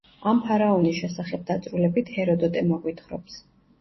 ამ ფარაონის შესახებ დაწვრილებით ჰეროდოტე მოგვითხრობს.